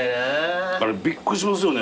あれびっくりしますよね。